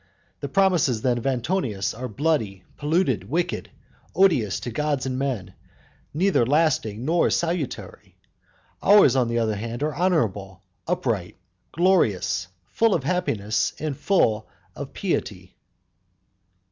The promises then of Antonius are bloody, polluted, wicked, odious to gods and men, neither lasting nor salutary; ours, on the other hand, are honourable, upright, glorious, full of happiness, and full of piety.